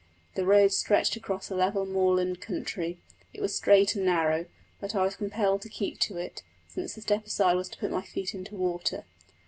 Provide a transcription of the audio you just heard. The road stretched across a level moorland country; it was straight and narrow, but I was compelled to keep to it, since to step aside was to put my feet into water.